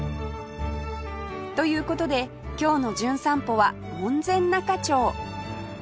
という事で今日の『じゅん散歩』は門前仲町